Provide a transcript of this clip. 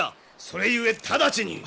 それゆえ直ちに！